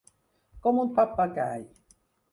Com un papagai.